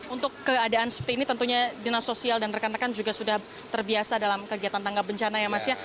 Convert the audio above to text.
untuk keadaan seperti ini tentunya dinas sosial dan rekan rekan juga sudah terbiasa dalam kegiatan tanggap bencana ya mas ya